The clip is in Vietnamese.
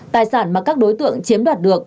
tài sản mà các đối tượng chiếm đoạt được